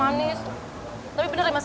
manis tapi benar ya mas